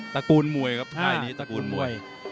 ระกูลมวยครับค่ายนี้ตระกูลมวย